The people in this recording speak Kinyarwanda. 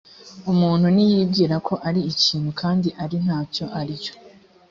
umuntu niyibwira ko ari ikintu kandi ari nta cyo ari cyo